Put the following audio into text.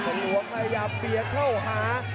พยายามเปียกเข้าหา